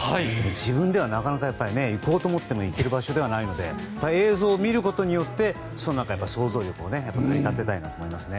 自分ではなかなか行こうと思っても行ける場所ではないので映像を見ることで想像力を駆り立てたいと思います。